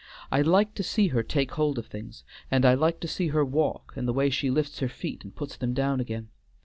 I like to see her take hold of things, and I like to see her walk and the way she lifts her feet and puts them down again.